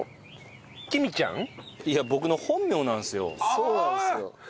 そうなんですよ。